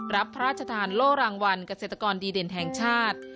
พระราชทานโล่รางวัลเกษตรกรดีเด่นแห่งชาติ